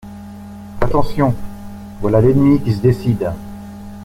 Attention ! voilà l'ennemi qui se décide.